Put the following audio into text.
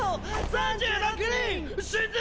３６人！